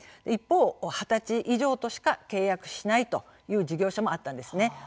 一方、二十歳以上としか契約をしないという事業者もあったんです。